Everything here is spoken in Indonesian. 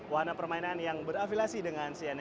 wahana permainan yang berafilasi dengan cnn indonesia